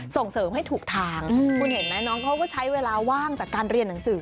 ส่งเสริมให้ถูกทางคุณเห็นไหมน้องเขาก็ใช้เวลาว่างจากการเรียนหนังสือ